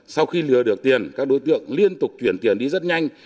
sau khi lừa được tiền các đối tượng liên tục chuyển tiền đi rất nhanh